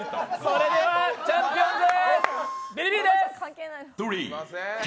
それではチャンピオン、ビリです！